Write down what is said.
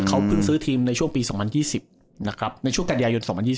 เขาเพิ่งซื้อทีมในช่วงปี๒๐๒๐นะครับในช่วงกันยายน๒๐๒๐